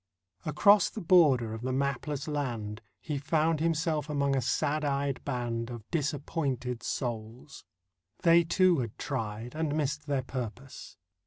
Across the border of the mapless land He found himself among a sad eyed band Of disappointed souls; they, too, had tried And missed their purpose.